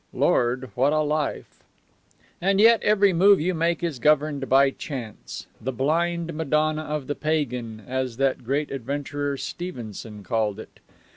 Lord, what a life! And yet every move you make is governed by Chance the Blind Madonna of the Pagan, as that great adventurer, Stevenson, called it.